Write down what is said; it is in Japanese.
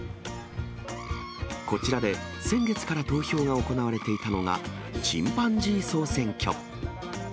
こちらで先月から投票が行われていたのが、チンパンジー総選挙。